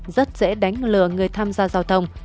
rất dễ đánh lừa người tham gia giao thông